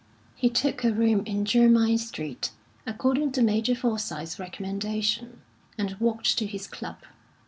He took a room in Jermyn Street, according to Major Forsyth's recommendation, and walked to his club.